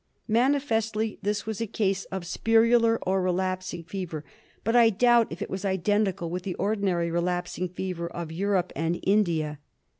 Manifestly this was a case of spirillar or relapsing fever ; but I doubt if it was identical with the ordinary relapsing fever of Europe and India.